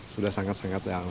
sudah sangat sangat jauh